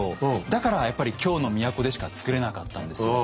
だからやっぱり京の都でしか作れなかったんですよ。